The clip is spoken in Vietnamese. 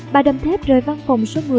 bà đâm thép rời văn phòng số một mươi